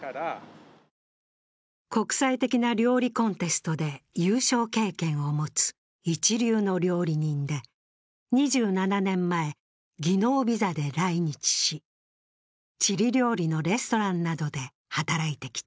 国際的な料理コンテストで優勝経験を持つ一流の料理人で２７年前、技能ビザで来日し、チリ料理のレストランなどで働いてきた。